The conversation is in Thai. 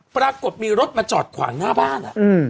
ปรากฏมีรถมาจอดขวางหน้าบ้าน